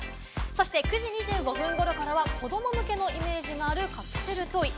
そして、９時２５分ごろからは子ども向けのイメージがあるカプセルトイ。